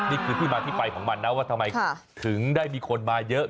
นี่คือที่มาที่ไปของมันนะว่าทำไมถึงได้มีคนมาเยอะ